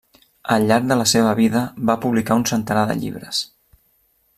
Al llarg de la seva vida va publicar un centenar de llibres.